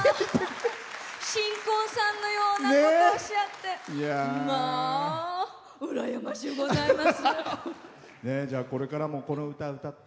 新婚さんのようなことをおっしゃって！